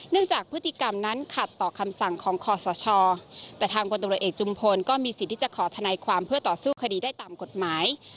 จากพฤติกรรมนั้นขัดต่อคำสั่งของคอสชแต่ทางพลตรวจเอกจุมพลก็มีสิทธิ์ที่จะขอทนายความเพื่อต่อสู้คดีได้ตามกฎหมาย